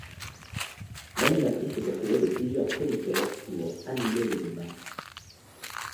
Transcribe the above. L'animatrice est entourée de plusieurs chroniqueurs pour animer les débats.